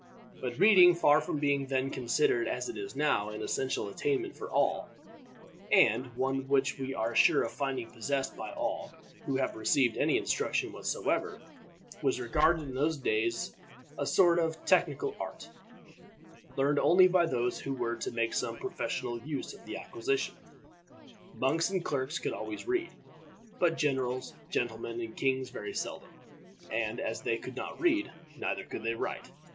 But reading, far from being then considered, as it is now, an essential attainment for all, and one which we are sure of finding possessed by all who have received any instruction whatever, was regarded in those days a sort of technical art, learned only by those who were to make some professional use of the acquisition. Monks and clerks could always read, but generals, gentlemen, and kings very seldom. And as they could not read, neither could they write.